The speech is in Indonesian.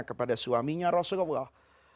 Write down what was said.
kepada suaminya rasulullah